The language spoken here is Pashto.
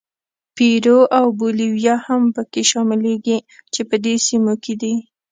پیرو او بولیویا هم پکې شاملېږي چې په دې سیمو کې دي.